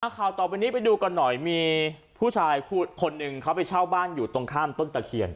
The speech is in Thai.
ข่าวต่อไปนี้ไปดูกันหน่อยมีผู้ชายคนหนึ่งเขาไปเช่าบ้านอยู่ตรงข้ามต้นตะเคียน